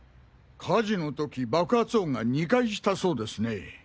火事の時爆発音が２回したそうですね？